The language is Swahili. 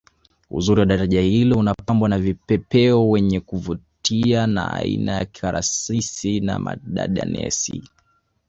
uzuri wa daraja hilo unapambwa na vipepeo wenye kuvutia aina ya karasisi na dadanesi